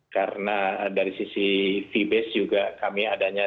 karena dari sisi vbase juga kami ada